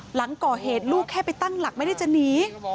หลังก่อเหตุลูกแค่ไปตั้งหลักไม่ได้จะหนี